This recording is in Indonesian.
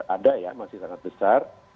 ada ya masih sangat besar